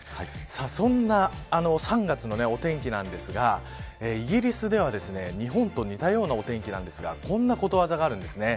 そんな３月のお天気なんですがイギリスでは日本と似たようなお天気なんですがこんなことわざがあるんですね。